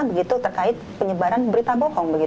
begitu terkait penyebaran berita bohong